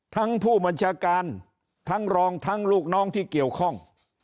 ทั้งผู้บัญชาการทั้งรองทั้งลูกน้องที่เกี่ยวข้อง